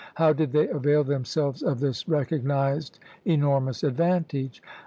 How did they avail themselves of this recognized enormous advantage?